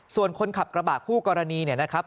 ส่วนคนขับกระบะคู่กรณีเนี่ยนะครับ